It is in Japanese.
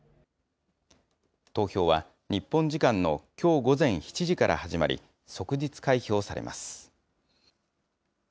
投票は日本時間のきょう午前７時から始まり、即日開票されます。